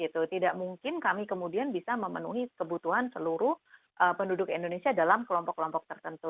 tidak mungkin kami kemudian bisa memenuhi kebutuhan seluruh penduduk indonesia dalam kelompok kelompok tertentu